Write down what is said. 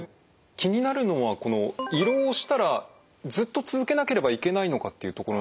気になるのは胃ろうをしたらずっと続けなければいけないのかっていうところなんです。